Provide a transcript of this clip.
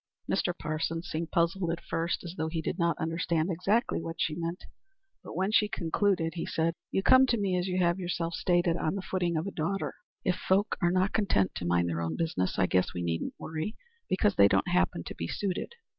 Mr. Parsons seemed puzzled at first, as though he did not understand exactly what she meant, but when she concluded he said: "You come to me, as you have yourself stated, on the footing of a daughter. If folk are not content to mind their own business, I guess we needn't worry because they don't happen to be suited.